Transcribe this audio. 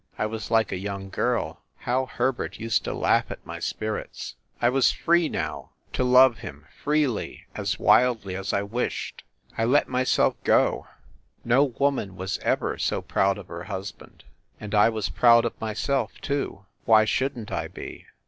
I was like a young girl. How Herbert used to laugh at my spirits! I was free, now, to love him freely, as wildly as I wished. I let myself 138 FIND THE WOMAN go. No woman was ever so proud of her husband. And I was proud of myself, too. Why shouldn t I be?